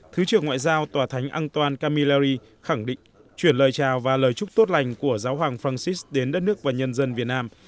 thứ trưởng ngoại giao tòa thánh antan kamilarri khẳng định chuyển lời chào và lời chúc tốt lành của giáo hoàng francis đến đất nước và nhân dân việt nam